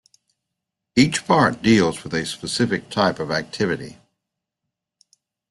Each part deals with a specific type of activity.